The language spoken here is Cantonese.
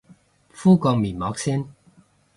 敷個面膜先